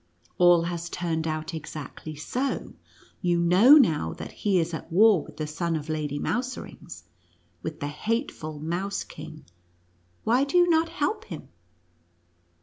All has turned out exactly so. You know now that he is at war with the son of Lady Mouserings — with the hateful Mouse King. Why do you not help him?"